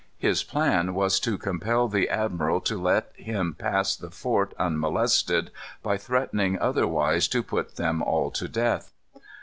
His plan was to compel the admiral to let him pass the fort unmolested, by threatening otherwise to put them all to death.